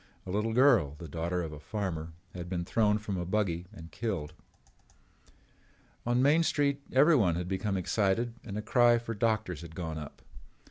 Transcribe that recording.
A little girl, the daughter of a farmer, had been thrown from a buggy and killed. On Main Street everyone had become excited and a cry for doctors had gone up.